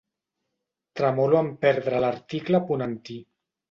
Tremolo en perdre l'article ponentí.